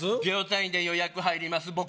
秒単位で予約入ります